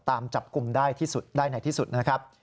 ตามจับกลุ่มได้ที่สุดได้ในที่สุดนะครับ